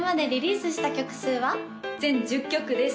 はい全１０曲です